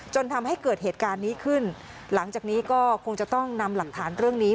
จนทำให้เกิดเหตุการณ์นี้ขึ้นหลังจากนี้ก็คงจะต้องนำหลักฐานเรื่องนี้